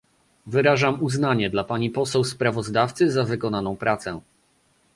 Wyrażam uznanie dla pani poseł sprawozdawcy za wykonaną pracę